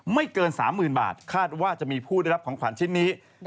ไม่เกิน๓๐๐๐บาทคาดว่าจะมีผู้ได้รับของขวัญชิ้นนี้